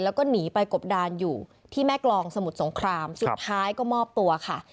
แล้วก็หนีไปกบดานอยู่ที่แม่กรองสมุทรสงครามสุดท้ายก็มอบตัวค่ะ